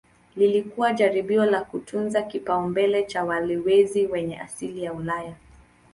Lilikuwa jaribio la kutunza kipaumbele cha walowezi wenye asili ya Ulaya.